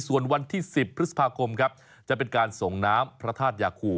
ส่วนวันที่๑๐พฤษภาคมครับจะเป็นการส่งน้ำพระธาตุยาคู